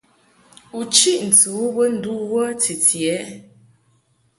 U chiʼ ntɨ u bə ndu wə titi ɛ?